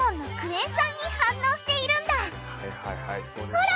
ほら！